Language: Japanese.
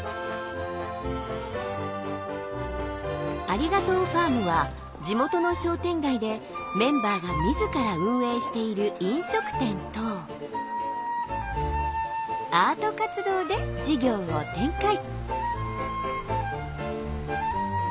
ありがとうファームは地元の商店街でメンバーが自ら運営している飲食店とアート活動で事業を展開。